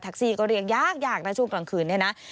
ทักซี่ก็เรียกยากช่วงกลางคืน